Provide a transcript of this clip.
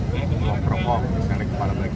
bapak prokong misalnya kembali lagi